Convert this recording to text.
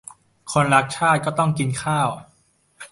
คนรักชาติก็ต้องกินข้าว